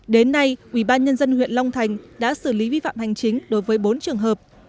đến nay ủy ban nhân dân huyện long thành đã xử lý vi phạm hành chính đối với bốn trường hợp